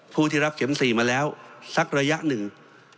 ผู้ที่รับเข็ม๔มาแล้วสักระยะหนึ่ง